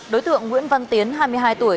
đối tượng nguyễn văn tiến hai mươi hai tuổi